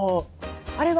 あれは？